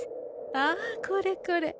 ああこれこれ。